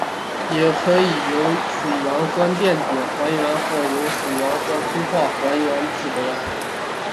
也可以由水杨酸电解还原或由水杨酰卤催化还原制得。